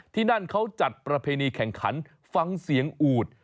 ที่นั่นเขาจัดประเพณีแข่งขันฟังเสียงอูด